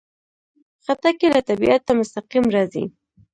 خټکی له طبیعته مستقیم راځي.